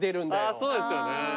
そうですよね。